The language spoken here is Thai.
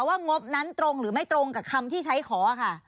งบนั้นตรงหรือไม่ตรงกับคำที่ใช้ขอค่ะ